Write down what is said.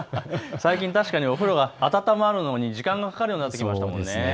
最近確かにお風呂が温まるのに時間がかかるようになってきましたね。